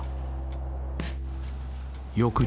［翌日］